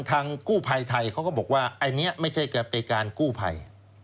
ทางกู้ภัยไทยเขาก็บอกว่าอันนี้ไม่ใช่จะเป็นการกู้ภัย